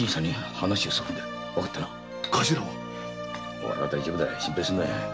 おれは大丈夫だ心配するな。